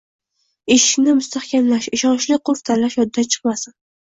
eshikni mustahkamlash, ishonchli qulf tanlash yoddan chiqmasin.